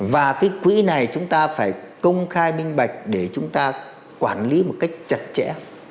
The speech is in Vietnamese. và cái quỹ này chúng ta phải công khai minh bạch để chúng ta quản lý một cách chặt chẽ